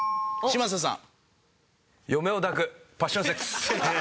嶋佐さん